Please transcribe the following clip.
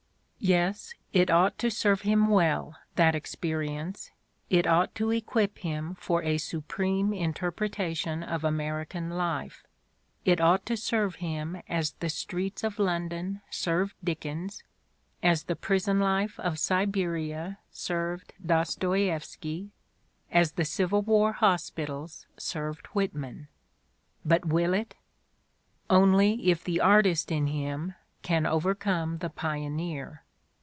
Yes, it ought to serve him well, that experience, it ought to equip, him for a supreme interpretation of American life; it ought to serve him as the streets of London served Dickens, as the prison life of Siberia served Dostoievsky, as the Civil "War hospitals served Whitman. But will it? Only if the artist in him can overcome the pioneer.